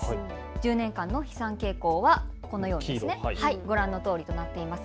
１０年間の飛散傾向はご覧のとおりになっています。